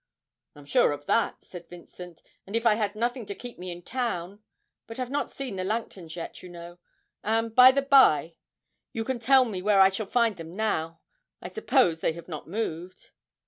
'I'm sure, of that,' said Vincent; 'and if I had nothing to keep me in town but I've not seen the Langtons yet, you know. And, by the bye, you can tell me where I shall find them now. I suppose they have not moved?'